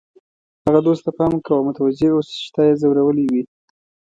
هغه دوست ته پام کوه او متوجه اوسه چې تا یې ځورولی وي.